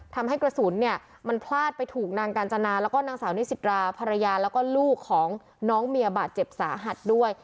ทำให้กระสุนเนี่ยมันพลาดไปถูกนางกาญจนาแล้วก็นางสาวนิสิตราภรรยาแล้วก็ลูกของน้องเมียบาดเจ็บสาหัสด้วย